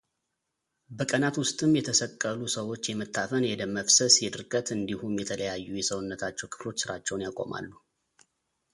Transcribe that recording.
በቀናት ውስጥም የተሰቀሉ ሰዎች የመታፈን የደም መፍሰስ የድርቀት እንዲሁም የተለያዩ የሰውነታቸው ክፍሎች ሥራቸውን ያቆማሉ።